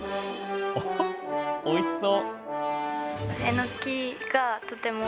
おいしそう。